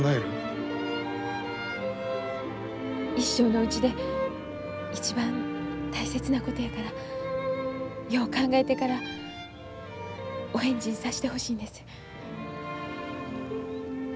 一生のうちで一番大切なことやからよう考えてからお返事さしてほしいんです。